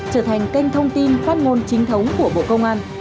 trở thành kênh thông tin phát ngôn chính thống của bộ công an